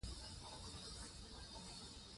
ښوونځی سهار وختي د زده کوونکو لپاره پرانیستل شو